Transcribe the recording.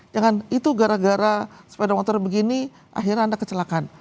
jangan itu gara gara sepeda motor begini akhirnya anda kecelakaan